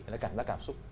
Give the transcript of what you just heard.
nó cảm giác cảm xúc